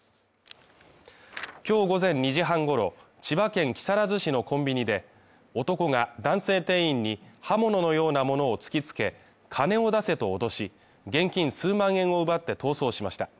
今日午前２時半ごろ、千葉県木更津市のコンビニで、男が男性店員に刃物のような物を突きつけ、金を出せと脅し、現金数万円を奪って逃走しました。